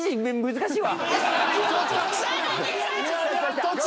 難しいか。